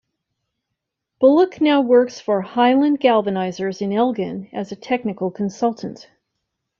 Bulloch now works for Highland Galvanisers in Elgin, as a technical consultant.